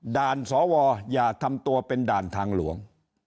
ด่านสวอย่าทำตัวเป็นด่านทางหลวง